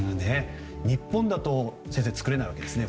日本だと作れないわけですね。